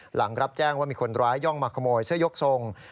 หลังรับแจ้งว่ามีคนร้ายย่องมาขโมยเสื้อยกทรง